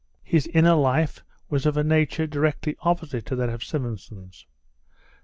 His inner life was of a nature directly opposite to that of Simonson's.